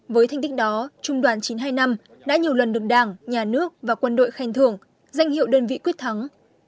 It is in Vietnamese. với thành tích đó trung đoàn chín trăm hai mươi năm đã nhiều lần được đảng nhà nước và quân đội khen thưởng danh hiệu đơn vị quyết thắng